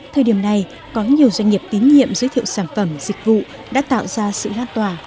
thời điểm này có nhiều doanh nghiệp tín nhiệm giới thiệu sản phẩm dịch vụ đã tạo ra sự lan tỏa